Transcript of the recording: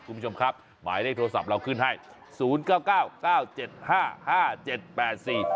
คุณผู้ชมครับหมายได้โทรศัพท์เราขึ้นให้